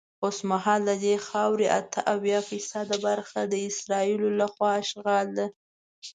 اوسمهال ددې خاورې اته اویا فیصده برخه د اسرائیلو له خوا اشغال ده.